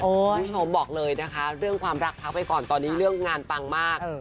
คุณผู้ชมบอกเลยนะคะเรื่องความรักทักไปก่อนตอนนี้เรื่องงานปังมาก